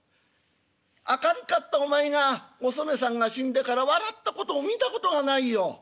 明るかったお前がおそめさんが死んでから笑ったことを見たことがないよ。